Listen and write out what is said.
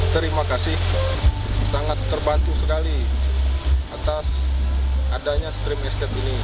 terima kasih sangat terbantu sekali atas adanya stream estate ini